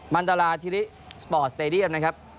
มันดาราธิริสปอร์ตสเตดียมนะครับ